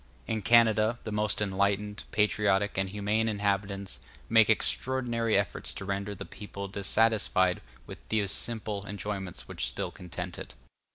In Canada, the most enlightened, patriotic, and humane inhabitants make extraordinary efforts to render the people dissatisfied with those simple enjoyments which still content it.